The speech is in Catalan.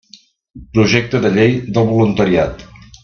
Projecte de llei del voluntariat.